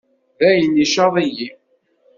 Dayen, icaḍ-iyi.